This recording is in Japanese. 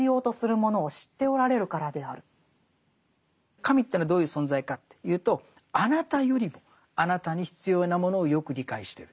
神というのはどういう存在かというとあなたよりもあなたに必要なものをよく理解してるそういう存在なんだって。